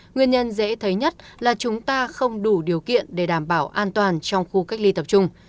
nguyên nhân dễ thấy nhất là chúng ta không đủ điều kiện để đảm bảo an toàn trong khu cách ly tập trung